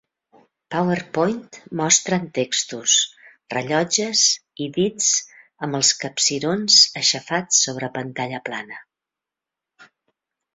PowerPoint mostren textos, rellotges i dits amb els capcirons aixafats sobre pantalla plana.